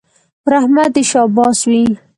پر احمد دې شاباس وي